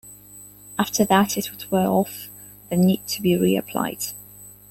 After that it would wear off then need to be re-applied.